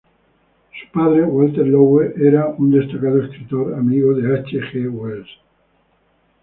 Su padre Walter Lowe era un destacado escritor, amigo de H. G. Wells.